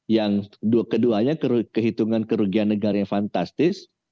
yang keduanya kehitungan kerugian negara yang fantastik